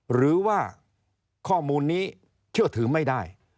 หรือว่าข้อมูลนี้เชื่อถือไม่ได้